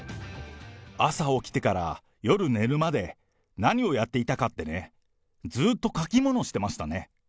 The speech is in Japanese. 朝起きてから夜寝るまで、何をやっていたかってね、ずーっと書き物してましたね。